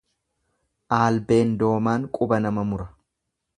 Aalbeen doomaan quba nama mura.